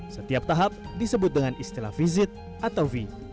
setiap tahap disebut dengan istilah vizit atau v